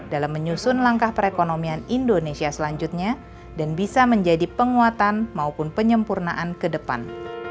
dalam menyusun langkah perekonomian indonesia selanjutnya dan bisa menjadi penguatan maupun penyempurnaan ke depan